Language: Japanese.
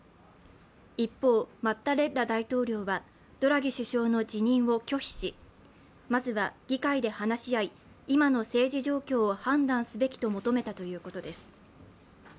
一方、マッタレッラ大統領はドラギ首相の辞任を拒否しまずは議会で話し合い今の政治状況を判断すべきと求めたということです。